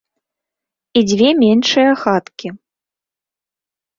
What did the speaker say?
І дзве меншыя хаткі.